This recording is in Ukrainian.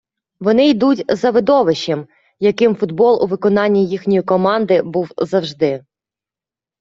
Вони йдуть за видовищем, яким футбол у виконанні їхньої команди був завжди.